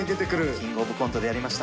キングオブコントでやりました。